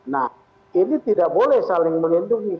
nah ini tidak boleh saling melindungi